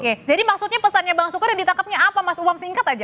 oke jadi maksudnya pesannya bang sukur yang ditangkapnya apa mas umam singkat aja